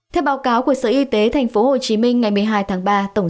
theo báo cáo của sở y tế tp hcm ngày một mươi hai tháng ba tổng